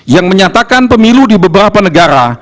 yang menyatakan pemilu di beberapa negara